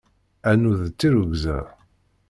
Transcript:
Annuz d tirrugza.